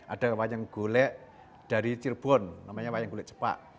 ada wayang golek dari cirebon namanya wayang golek cepak